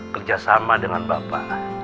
kerjasama dengan bapak